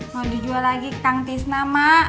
mau dijual lagi kang tisna mak